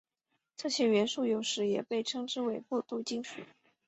这些元素有时也被称作过渡金属。